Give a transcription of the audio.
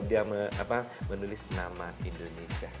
dia menulis nama indonesia